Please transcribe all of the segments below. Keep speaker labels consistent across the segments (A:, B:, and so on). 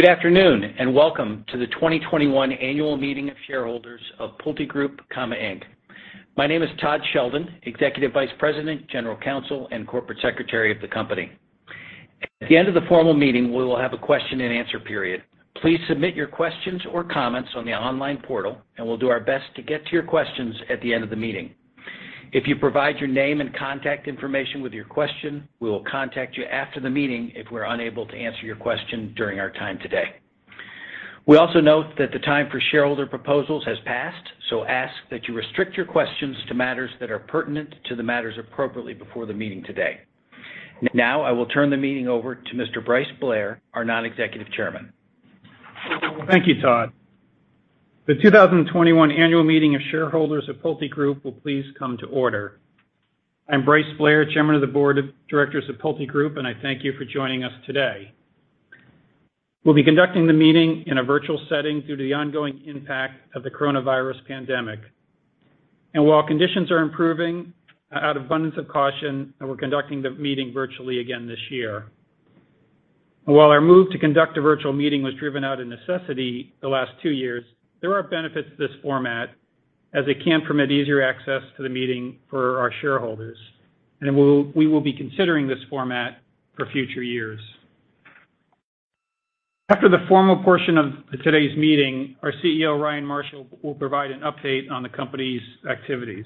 A: Good afternoon, and welcome to the 2021 annual meeting of shareholders of PulteGroup, Inc. My name is Todd Sheldon, Executive Vice President, General Counsel, and Corporate Secretary of the company. At the end of the formal meeting, we will have a question and answer period. Please submit your questions or comments on the online portal, and we'll do our best to get to your questions at the end of the meeting. If you provide your name and contact information with your question, we will contact you after the meeting if we're unable to answer your question during our time today. We also note that the time for shareholder proposals has passed, so ask that you restrict your questions to matters that are pertinent to the matters appropriately before the meeting today. Now, I will turn the meeting over to Mr. Bryce Blair, our non-executive chairman.
B: Thank you, Todd. The 2021 annual meeting of shareholders of PulteGroup will please come to order. I'm Bryce Blair, Chairman of the Board of Directors of PulteGroup. I thank you for joining us today. We'll be conducting the meeting in a virtual setting due to the ongoing impact of the coronavirus pandemic. While conditions are improving, out of abundance of caution, we're conducting the meeting virtually again this year. While our move to conduct a virtual meeting was driven out of necessity the last two years, there are benefits to this format as it can permit easier access to the meeting for our shareholders. We will be considering this format for future years. After the formal portion of today's meeting, our CEO, Ryan Marshall, will provide an update on the company's activities.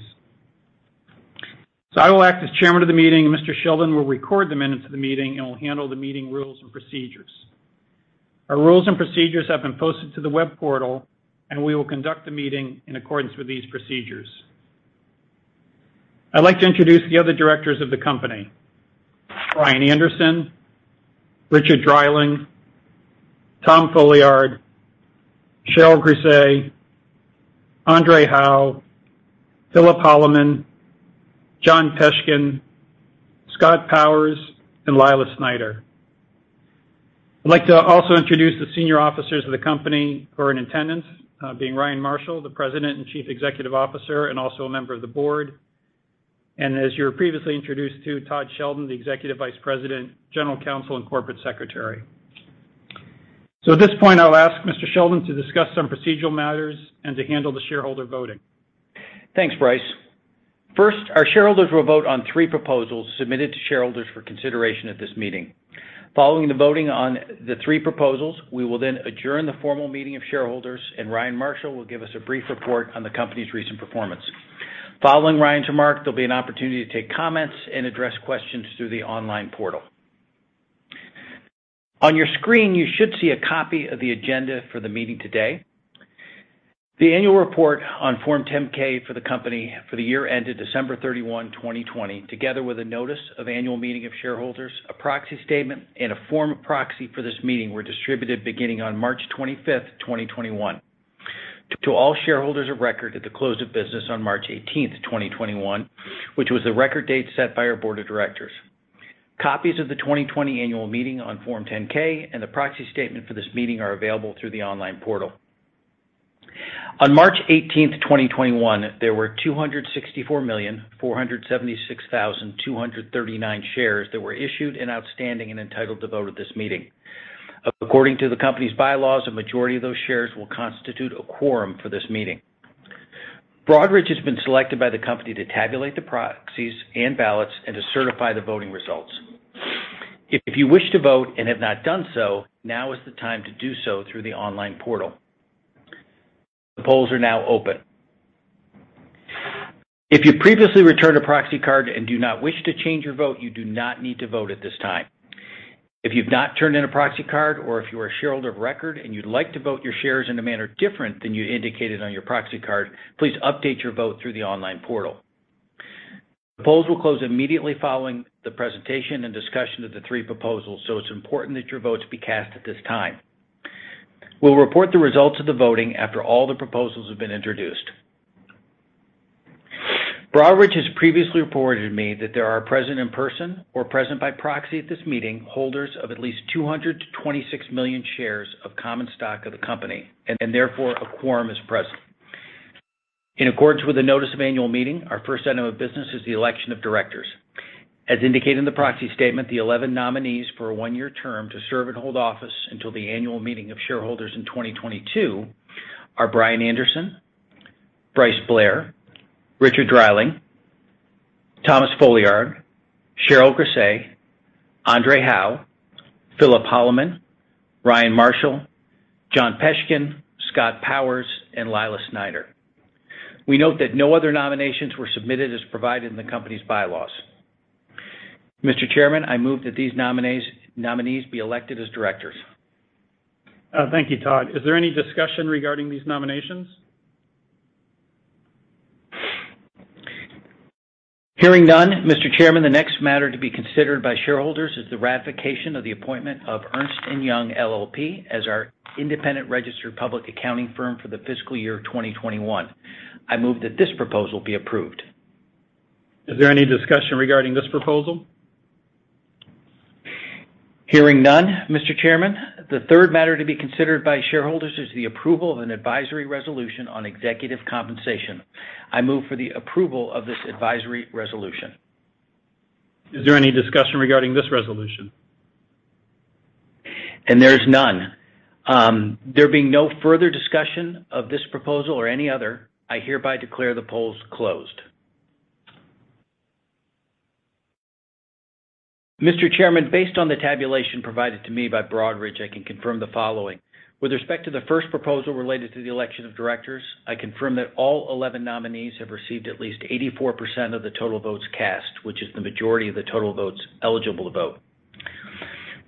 B: I will act as Chairman of the meeting, and Mr. Sheldon will record the minutes of the meeting and will handle the meeting rules and procedures. Our rules and procedures have been posted to the web portal, and we will conduct the meeting in accordance with these procedures. I'd like to introduce the other Directors of the company, Brian Anderson, Richard Dreiling, Tom Folliard, Cheryl Grisé, André Hawaux, Phillip Holloman, John Peshkin, Scott Powers, and Lila Snyder. I'd like to also introduce the Senior Officers of the company who are in attendance, being Ryan Marshall, the President and Chief Executive Officer, and also a member of the Board. As you were previously introduced to, Todd Sheldon, the Executive Vice President, General Counsel, and Corporate Secretary. At this point, I'll ask Mr. Sheldon to discuss some procedural matters and to handle the shareholder voting.
A: Thanks, Bryce. First, our shareholders will vote on three proposals submitted to shareholders for consideration at this meeting. Following the voting on the three proposals, we will then adjourn the formal meeting of shareholders, and Ryan Marshall will give us a brief report on the company's recent performance. Following Ryan's remarks, there'll be an opportunity to take comments and address questions through the online portal. On your screen, you should see a copy of the agenda for the meeting today. The annual report on Form 10-K for the company for the year ended December 31, 2020, together with a notice of annual meeting of shareholders, a proxy statement, and a form of proxy for this meeting were distributed beginning on March 25th, 2021 to all shareholders of record at the close of business on March 18th, 2021, which was the record date set by our board of directors. Copies of the 2020 annual meeting on Form 10-K and the proxy statement for this meeting are available through the online portal. On March 18th, 2021, there were 264,476,239 shares that were issued and outstanding and entitled to vote at this meeting. According to the company's bylaws, a majority of those shares will constitute a quorum for this meeting. Broadridge has been selected by the company to tabulate the proxies and ballots and to certify the voting results. If you wish to vote and have not done so, now is the time to do so through the online portal. The polls are now open. If you previously returned a proxy card and do not wish to change your vote, you do not need to vote at this time. If you've not turned in a proxy card or if you are a shareholder of record and you'd like to vote your shares in a manner different than you indicated on your proxy card, please update your vote through the online portal. The polls will close immediately following the presentation and discussion of the three proposals, so it's important that your votes be cast at this time. We'll report the results of the voting after all the proposals have been introduced. Broadridge has previously reported to me that there are present in person or present by proxy at this meeting holders of at least 226 million shares of common stock of the company, and therefore, a quorum is present. In accordance with the notice of annual meeting, our first item of business is the election of directors. As indicated in the proxy statement, the 11 nominees for a one-year term to serve and hold office until the annual meeting of shareholders in 2022 are Brian Anderson, Bryce Blair, Richard Dreiling, Thomas Folliard, Cheryl Grisé, André Hawaux, Phillip Holloman, Ryan Marshall, John Peshkin, Scott Powers, and Lila Snyder. We note that no other nominations were submitted as provided in the Company's bylaws. Mr. Chairman, I move that these nominees be elected as directors.
B: Thank you, Todd. Is there any discussion regarding these nominations?
A: Hearing none, Mr. Chairman, the next matter to be considered by shareholders is the ratification of the appointment of Ernst & Young LLP as our independent registered public accounting firm for the fiscal year 2021. I move that this proposal be approved.
B: Is there any discussion regarding this proposal?
A: Hearing none, Mr. Chairman, the third matter to be considered by shareholders is the approval of an advisory resolution on executive compensation. I move for the approval of this advisory resolution.
B: Is there any discussion regarding this resolution?
A: There is none. There being no further discussion of this proposal or any other, I hereby declare the polls closed. Mr. Chairman, based on the tabulation provided to me by Broadridge, I can confirm the following. With respect to the first proposal related to the election of directors, I confirm that all 11 nominees have received at least 84% of the total votes cast, which is the majority of the total votes eligible to vote.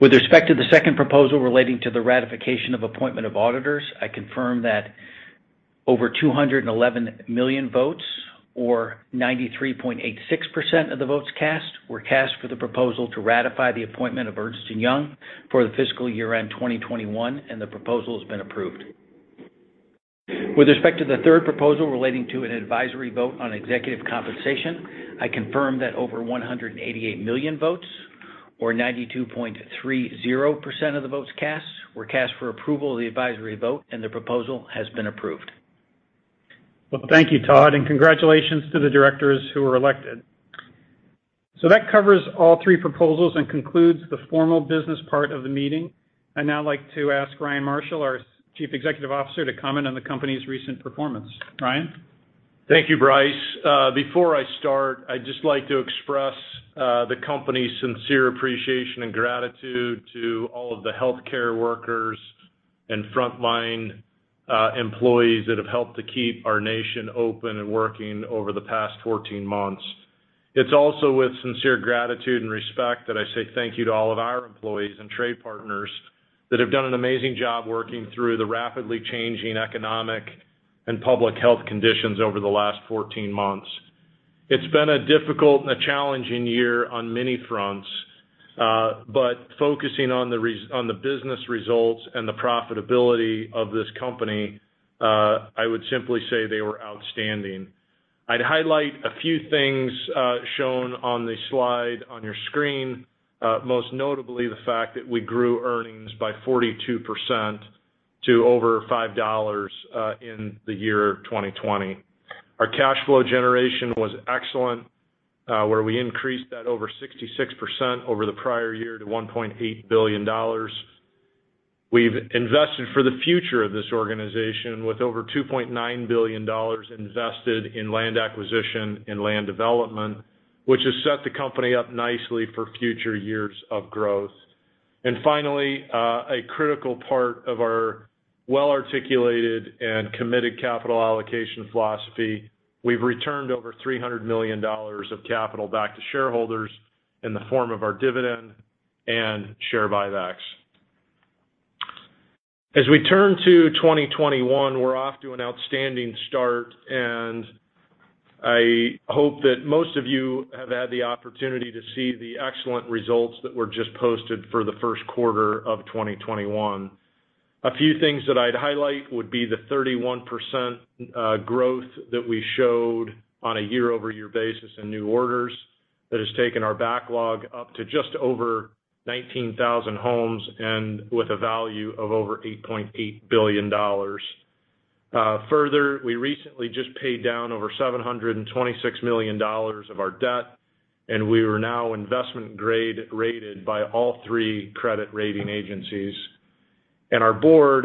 A: With respect to the second proposal relating to the ratification of appointment of auditors, I confirm that over 211 million votes, or 93.86% of the votes cast, were cast for the proposal to ratify the appointment of Ernst & Young for the fiscal year-end 2021, and the proposal has been approved. With respect to the third proposal relating to an advisory vote on executive compensation, I confirm that over 188 million votes, or 92.30% of the votes cast, were cast for approval of the advisory vote, and the proposal has been approved.
B: Thank you, Todd, and congratulations to the directors who were elected. That covers all three proposals and concludes the formal business part of the meeting. I'd now like to ask Ryan Marshall, our Chief Executive Officer, to comment on the company's recent performance. Ryan?
C: Thank you, Bryce. Before I start, I'd just like to express the company's sincere appreciation and gratitude to all of the healthcare workers and frontline employees that have helped to keep our nation open and working over the past 14 months. It's also with sincere gratitude and respect that I say thank you to all of our employees and trade partners that have done an amazing job working through the rapidly changing economic and public health conditions over the last 14 months. It's been a difficult and a challenging year on many fronts. Focusing on the business results and the profitability of this company, I would simply say they were outstanding. I'd highlight a few things shown on the slide on your screen. Most notably, the fact that we grew earnings by 42% to over $5 in the year 2020. Our cash flow generation was excellent, where we increased that over 66% over the prior year to $1.8 billion. We've invested for the future of this organization with over $2.9 billion invested in land acquisition and land development, which has set the company up nicely for future years of growth. Finally, a critical part of our well-articulated and committed capital allocation philosophy, we've returned over $300 million of capital back to shareholders in the form of our dividend and share buybacks. As we turn to 2021, we're off to an outstanding start, and I hope that most of you have had the opportunity to see the excellent results that were just posted for the first quarter of 2021. A few things that I'd highlight would be the 31% growth that we showed on a year-over-year basis in new orders. That has taken our backlog up to just over 19,000 homes and with a value of over $8.8 billion. We recently just paid down over $726 million of our debt, and we are now investment grade rated by all three credit rating agencies. Our board,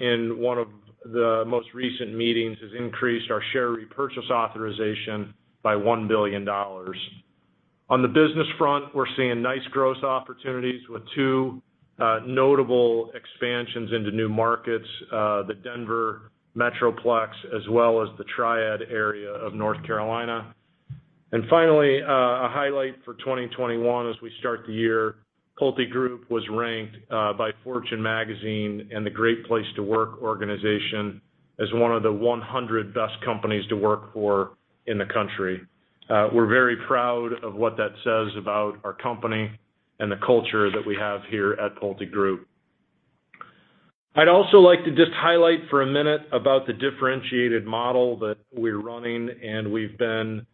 C: in one of the most recent meetings, has increased our share repurchase authorization by $1 billion. On the business front, we're seeing nice growth opportunities with two notable expansions into new markets, the Denver Metroplex, as well as the Triad area of North Carolina. Finally, a highlight for 2021 as we start the year, PulteGroup was ranked by "Fortune" magazine and the Great Place to Work organization as one of the 100 best companies to work for in the country. We're very proud of what that says about our company and the culture that we have here at PulteGroup. I'd also like to just highlight for a minute about the differentiated model that we're running and we've been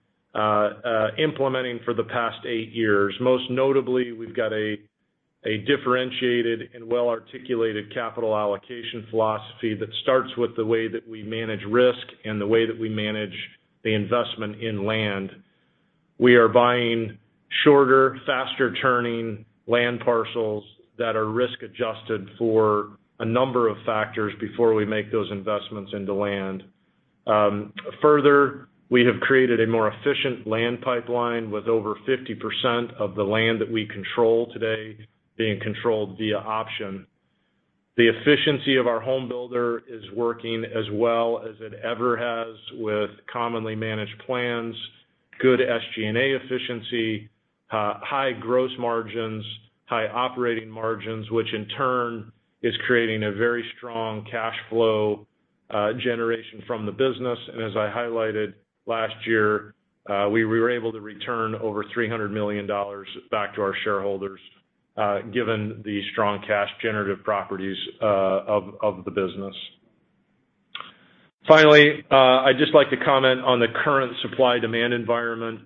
C: implementing for the past eight years. Most notably, we've got a differentiated and well-articulated capital allocation philosophy that starts with the way that we manage risk and the way that we manage the investment in land. We are buying shorter, faster-turning land parcels that are risk-adjusted for a number of factors before we make those investments into land. Further, we have created a more efficient land pipeline with over 50% of the land that we control today being controlled via option. The efficiency of our home builder is working as well as it ever has with commonly managed plans, good SG&A efficiency, high gross margins, high operating margins, which in turn is creating a very strong cash flow generation from the business. As I highlighted last year, we were able to return over $300 million back to our shareholders given the strong cash generative properties of the business. I'd just like to comment on the current supply-demand environment.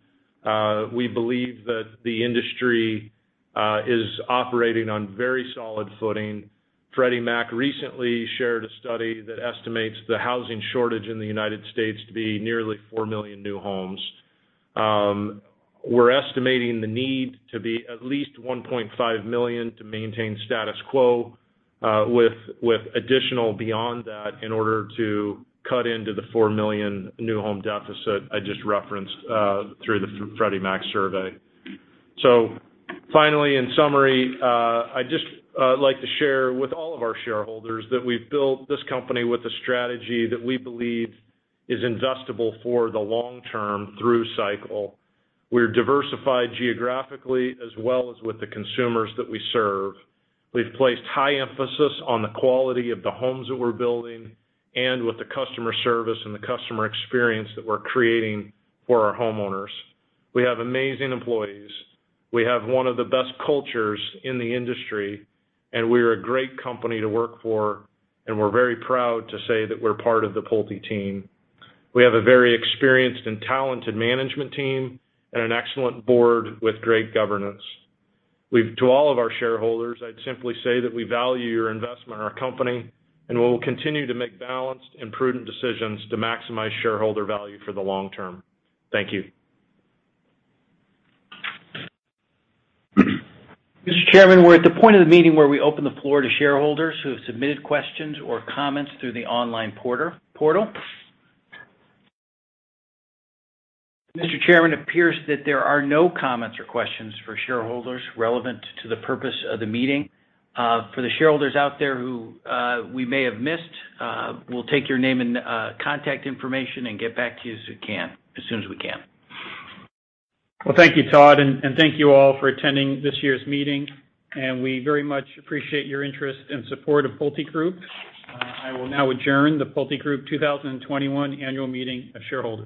C: We believe that the industry is operating on very solid footing. Freddie Mac recently shared a study that estimates the housing shortage in the U.S. to be nearly 4 million new homes. We're estimating the need to be at least 1.5 million to maintain status quo, with additional beyond that in order to cut into the 4 million new home deficit I just referenced through the Freddie Mac survey. Finally, in summary, I'd just like to share with all of our shareholders that we've built this company with a strategy that we believe is investable for the long term through cycle. We're diversified geographically as well as with the consumers that we serve. We've placed high emphasis on the quality of the homes that we're building and with the customer service and the customer experience that we're creating for our homeowners. We have amazing employees. We have one of the best cultures in the industry, and we're a great company to work for, and we're very proud to say that we're part of the Pulte team. We have a very experienced and talented management team and an excellent board with great governance. To all of our shareholders, I'd simply say that we value your investment in our company, and we will continue to make balanced and prudent decisions to maximize shareholder value for the long term. Thank you.
A: Mr. Chairman, we're at the point of the meeting where we open the floor to shareholders who have submitted questions or comments through the online portal. Mr. Chairman, it appears that there are no comments or questions for shareholders relevant to the purpose of the meeting. For the shareholders out there who we may have missed, we'll take your name and contact information and get back to you as soon as we can.
B: Well, thank you, Todd, and thank you all for attending this year's meeting. We very much appreciate your interest and support of PulteGroup. I will now adjourn the PulteGroup 2021 Annual Meeting of Shareholders.